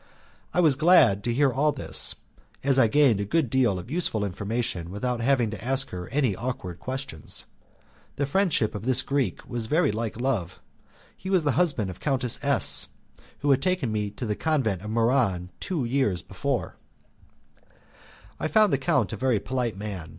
I was glad to hear all this, as I gained a good deal of useful information without having to ask any awkward questions. The friendship of this Greek looked very like love. He was the husband of Countess S , who had taken me to the convent at Muran two years before. I found the count a very polite man.